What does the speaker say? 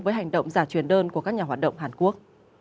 với hành động giả truyền đơn của các nhà hoạt động hàn quốc